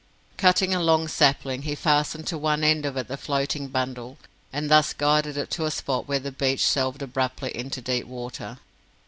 Cutting a long sapling, he fastened to one end of it the floating bundle, and thus guided it to a spot where the beach shelved abruptly into deep water.